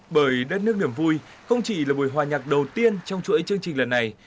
bởi đất nước niềm vui không chỉ là buổi hòa nhạc đầu tiên trong chuỗi chương trình lần này